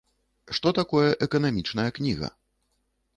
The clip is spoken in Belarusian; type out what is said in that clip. Што такое эканамічная кніга?